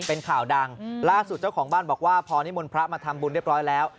เป็นข่าวดังล่าสุดเจ้าของบ้านบอกว่าพอนิมนต์พระมาทำบุญเรียบร้อยแล้ว